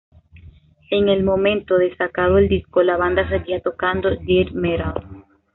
En el momento de sacado el disco, la banda seguía tocando death metal.